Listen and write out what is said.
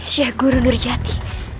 syekh guru nurjati